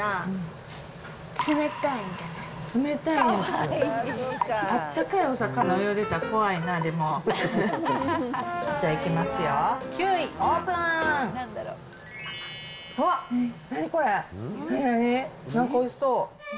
なんかおいしそう。